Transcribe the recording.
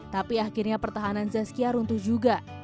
tapi akhirnya pertahanan zazkia runtuh juga